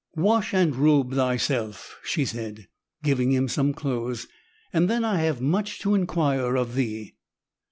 "Wash and robe thyself," she said, giving him some clothes, "and then I have much to inquire of thee."